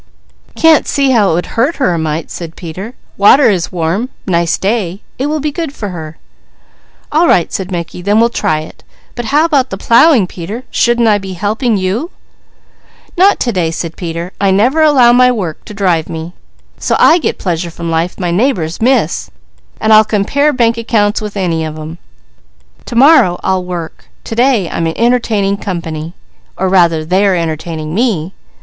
"Can't see how it would hurt her a mite," said Peter. "Water is warm, nice day. It will be good for her." "All right," said Mickey, "then we'll try it. But how about the plowing Peter, shouldn't I be helping you?" "Not to day," said Peter. "I never allow my work to drive me, so I get pleasure from life my neighbours miss, and I'll compare bank accounts with any of them. To morrow I'll work. To day I'm entertaining company, or rather they are entertaining me.